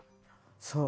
そう。